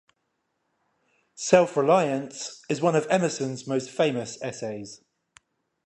"Self-Reliance" is one of Emerson's most famous essays.